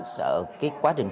sợ cái quá trình